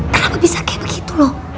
kenapa bisa kayak begitu loh